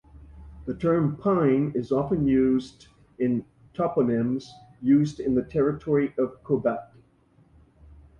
The term "pine" is often used in toponyms used in the territory of Quebec.